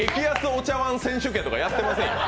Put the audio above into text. お茶わん選手権とかやってませんよ。